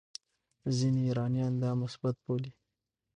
ځینې ایرانیان دا مثبت بولي.